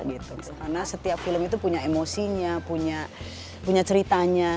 karena setiap film itu punya emosinya punya ceritanya